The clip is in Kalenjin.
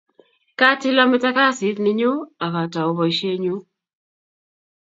Katil ameto kasit ni nyu ak atau poisyennyu.